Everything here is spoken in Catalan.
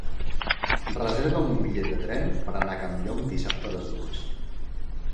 Reserva'm un bitllet de tren per anar a Campllong dissabte a les dues.